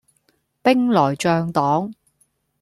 兵來將擋